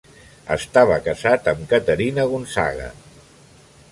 Estava casat amb Caterina Gonzaga.